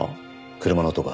車の音か？